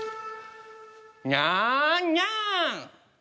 にゃんにゃん！